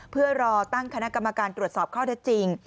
เพื่อรอตั้งคณะกรรมการตรวจสอบข้อเท็จจริง